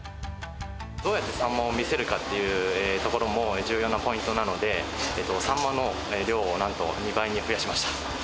どうやってサンマを見せるかというところも重要なポイントなので、サンマの量をなんと２倍に増やしました。